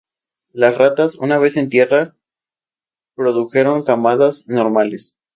Las ratas, una vez en tierra, produjeron camadas normales.